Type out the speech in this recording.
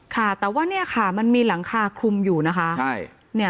ค่ะแต่ว่าเนี่ยค่ะมันมีหลังคาคลุมอยู่นะคะ